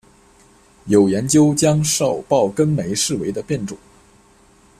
有研究将少孢根霉视为的变种。